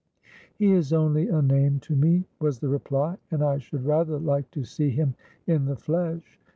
"He is only a name to me," was the reply, "and I should rather like to see him in the flesh.